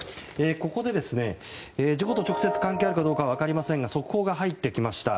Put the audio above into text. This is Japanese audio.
ここで、事故と直接関係あるか分かりませんが速報が入ってきました。